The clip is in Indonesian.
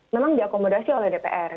memang diakomodasi oleh dpr